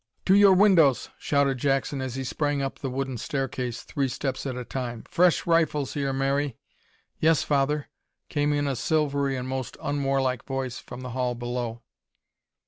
"To your windows!" shouted Jackson, as he sprang up the wooden stair case, three steps at a time. "Fresh rifles here, Mary!" "Yes, father," came in a silvery and most unwarlike voice from the hall below.